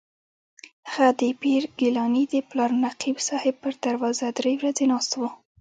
هغه د پیر ګیلاني د پلار نقیب صاحب پر دروازه درې ورځې ناست و.